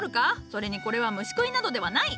それにこれは虫食いなどではない。